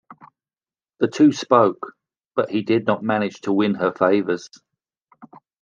The two spoke, but he did not manage to win her favours.